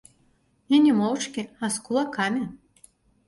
І не моўчкі, а з кулакамі.